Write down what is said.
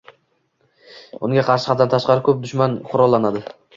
unga qarshi haddan tashqari koʻp dushman qurollanadi